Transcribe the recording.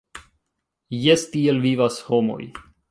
Jes, tiel vivas homoj.